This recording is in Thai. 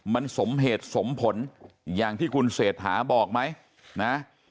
มันสมเหตุสมผลอย่างที่คุณเศรษฐาบอกไหมนะ